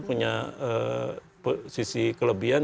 punya sisi kelebihan